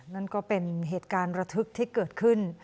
นั่นก็เป็นเหตุการณ์ระทึกที่เกิดขึ้น